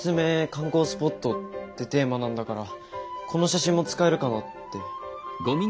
観光スポットってテーマなんだからこの写真も使えるかなって。